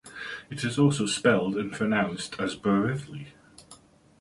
It is also spelled and pronounced as "Borivli".